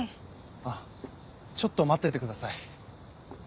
あっちょっと待っててください。